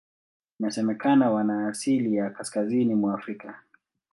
Inasemekana wana asili ya Kaskazini mwa Afrika.